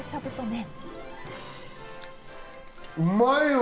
うまいわ！